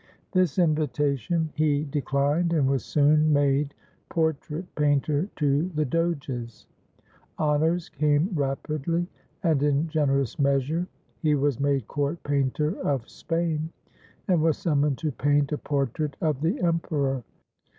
This invitation he declined, and was soon made portrait painter to the Doges. Honors came rapidly and in generous measure. He was made court painter of Spain, and was summoned to paint a portrait of the Emperor.